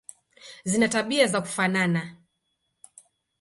Zina tabia za kufanana.